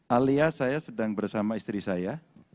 alias saya sedang bersama istri saya